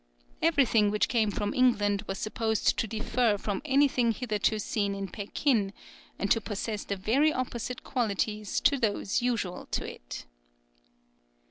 Everything which came from England was supposed to differ from anything hitherto seen in Pekin, and to possess the very opposite qualities to those usual to it.